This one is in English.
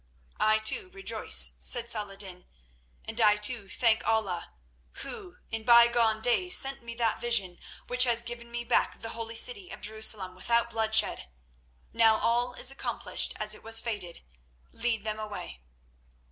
"I too rejoice," said Saladin; "and I too thank Allah Who in bygone days sent me that vision which has given me back the holy city of Jerusalem without bloodshed. Now all is accomplished as it was fated. Lead them away."